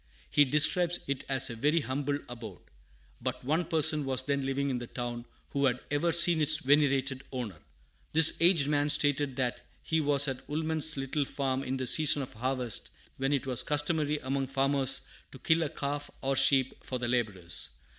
He describes it as a very "humble abode." But one person was then living in the town who had ever seen its venerated owner. This aged man stated that he was at Woolman's little farm in the season of harvest when it was customary among farmers to kill a calf or sheep for the laborers.